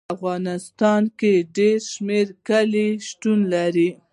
په افغانستان کې ډېر شمیر کلي شتون لري.